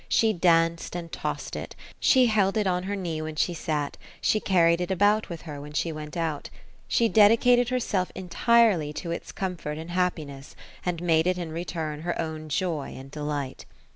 she danced and tossed it, she held it on her knee when she sat, she carried it about with her when she went out. She dedicated herself entirely to its comfort and happiness, and made it in return her own joy and delight.